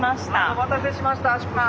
お待たせしました出発。